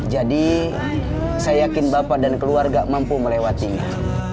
jadi saya yakin bapak dan keluarga mampu melewatinya